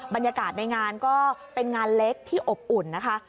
บรรยากาศในงานก็เป็นงานเล็กที่อบอุ่นนะคะ